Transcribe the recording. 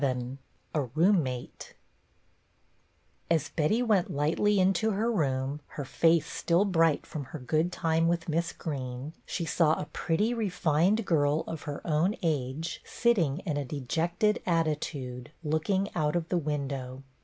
VII A ROOMMATE ""i Betty went lightly into her room, her face still bright from her good time with Miss Greene, she saw a pretty, refined girl of her own age sitting in a de jected attitude, looking out of the window.